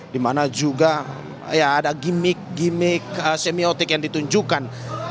dimana juga ya ada gimmick gimmick semiotik yang ditunjukkan